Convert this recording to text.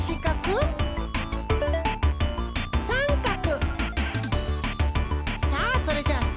さんかく！